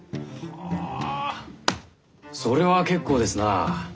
はあそれは結構ですな。